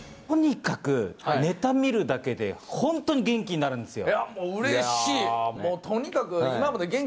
とにかくネタを見るだけで本当に元気になるんですよ。